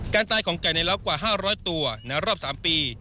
การตายของไก่ในเล้ากว่า๕๐๐ตัวในรอบ๓ปี